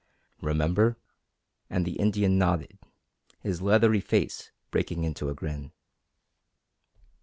"Remember?" and the Indian nodded, his leathery face breaking into a grin.